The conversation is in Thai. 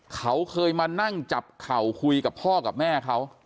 เขาเคยมานั่งจับเข่าคุยกับพ่อกับแม่เขา